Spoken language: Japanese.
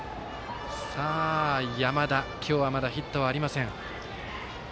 山田、今日はまだヒットはありません。